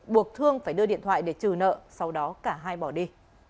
buộc thương phải đưa điện thoại để trừ nợ sau đó cả hai bỏ đi